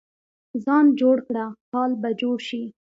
ځان جوړ کړه، حال به جوړ شي.